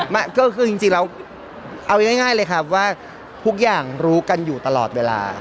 ไม่ก็คือจริงเราเอาง่ายเลยครับว่าทุกอย่างรู้กันอยู่ตลอดเวลา